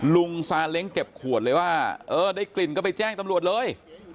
ซาเล้งเก็บขวดเลยว่าเออได้กลิ่นก็ไปแจ้งตำรวจเลย